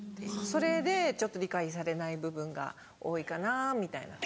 それでちょっと理解されない部分が多いかなみたいな。